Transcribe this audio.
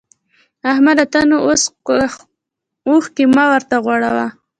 احمده! ته نو اوس اوښکی مه ورته غوړوه.